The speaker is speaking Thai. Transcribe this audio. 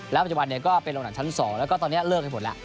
แล้วปัจจุบันเนี่ยก็เป็นโรงหนังชั้นสองแล้วก็ตอนนี้เลิกให้ผลล่ะ